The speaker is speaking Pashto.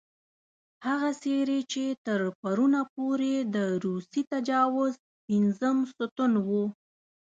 هغه څېرې چې تر پرونه پورې د روسي تجاوز پېنځم ستون وو.